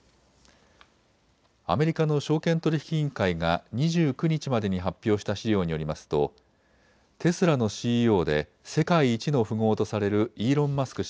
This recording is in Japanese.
アメリカの証券取引委員会が２９日までに発表した資料によりますとテスラのＣＥＯで世界一の富豪とされるイーロン・マスク